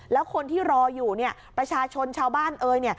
แล้วคนที่รออยู่เนี่ยประชาชนชาวบ้านเอ่ย